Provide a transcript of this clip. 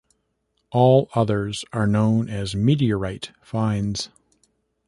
All others are known as meteorite finds.